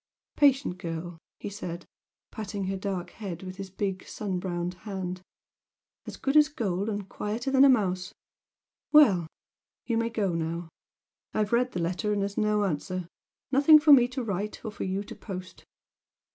"Patient girl!" he said, patting her dark head with his big sun browned hand "As good as gold and quieter than a mouse! Well! You may go now. I've read the letter and there's no answer. Nothing for me to write, or for you to post!"